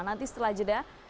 nanti setelah jeda